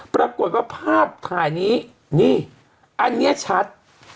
ปรากฏว่าภาพถ่ายนี้นี่อันนี้ชัด